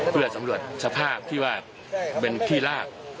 เพื่อสำรวจสภาพที่ว่าเป็นที่ลาก